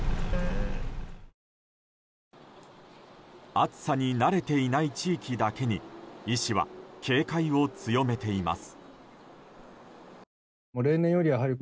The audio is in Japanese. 暑さに慣れていない地域だけに医師は警戒を強めています。